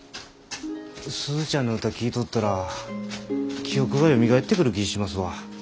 鈴ちゃんの歌聴いとったら記憶がよみがえってくる気ぃしますわ。